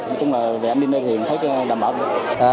nói chung là về an ninh nơi hiện thấy đảm bảo